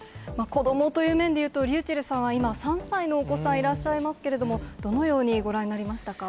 子どもという面でいうと、ｒｙｕｃｈｅｌｌさんは今、３歳のお子さん、いらっしゃいますけれども、どのようにご覧になりましたか。